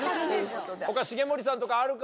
他重盛さんとかあるか？